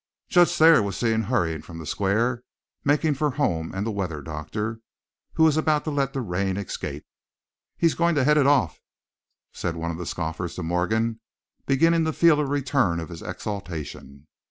Judge Thayer was seen hurrying from the square, making for home and the weather doctor, who was about to let the rain escape. "He's goin' to head it off," said one of the scoffers to Morgan, beginning to feel a return of his exultation.